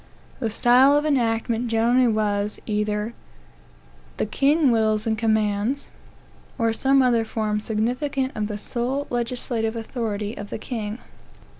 The style of enactment generally was, either "The King wills and commands," or some other form significant of the sole legislative authority of the king.